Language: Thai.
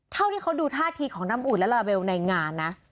เท่าที่เขาดูท่าทีของน้ำอุ่นและลาลาเบลในงานนะ